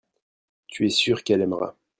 tu es sûr qu'elle aimera.